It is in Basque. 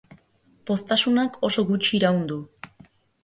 Poztasunak oso gutxi iraun du.